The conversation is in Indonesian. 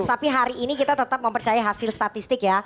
tapi hari ini kita tetap mempercaya hasil statistik ya